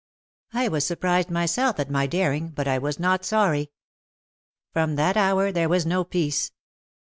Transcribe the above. I was surprised myself at my daring, but I was not sorry. From that hour there was no peace.